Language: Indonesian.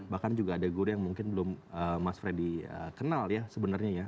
bahkan juga ada guru yang mungkin belum mas freddy kenal ya sebenarnya ya